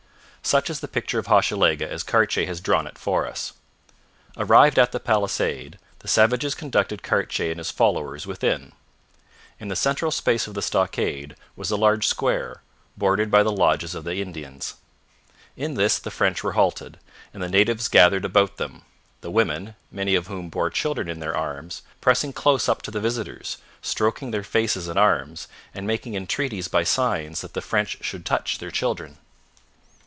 Such is the picture of Hochelaga as Cartier has drawn it for us. Arrived at the palisade, the savages conducted Cartier and his followers within. In the central space of the stockade was a large square, bordered by the lodges of the Indians. In this the French were halted, and the natives gathered about them, the women, many of whom bore children in their, arms, pressing close up to the visitors, stroking their faces and arms, and making entreaties by signs that the French should touch their children.